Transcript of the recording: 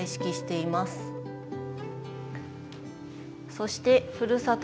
そしてふるさと